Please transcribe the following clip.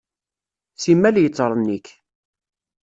Simmal yettṛennik.